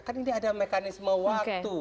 kan ini ada mekanisme waktu